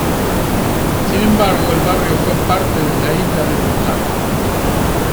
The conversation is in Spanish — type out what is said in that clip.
Sin embargo, el barrio fue parte de la isla de Manhattan.